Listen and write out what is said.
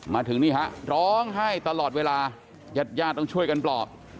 มาถึงนี่ฮะร้องไห้ตลอดเวลายาดต้องช่วยกันปลอบ